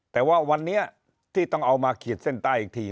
แต่ว่าวันนี้ที่ต้องเอามาขีดเส้นใต้อีกที